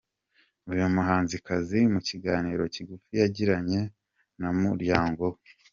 Uyu muhanzi kazi mu kiganiro kigufi yagiranye na Umuryango.